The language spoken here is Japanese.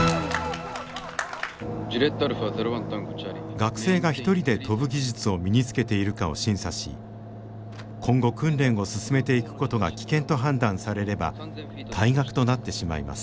学生が一人で飛ぶ技術を身につけているかを審査し今後訓練を進めていくことが危険と判断されれば退学となってしまいます。